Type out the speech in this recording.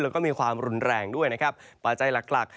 แล้วก็มีความรุนแรงด้วยนะครับประใจหลัก